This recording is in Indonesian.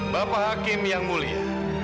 bapak hakim yang mulia